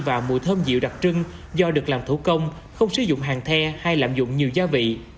và mùi thơm dịu đặc trưng do được làm thủ công không sử dụng hàng the hay lạm dụng nhiều gia vị